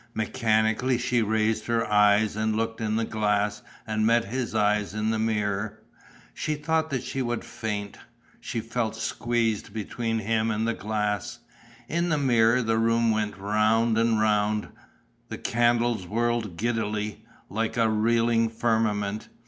Mechanically she raised her eyes and looked in the glass and met his eyes in the mirror. She thought that she would faint. She felt squeezed between him and the glass. In the mirror the room went round and round, the candles whirled giddily, like a reeling firmament.